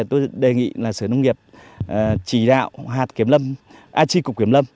tôi đề nghị là sở nông nghiệp chỉ đạo hạt kiếm lâm achi cục kiếm lâm